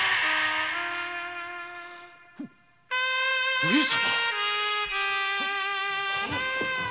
上様？！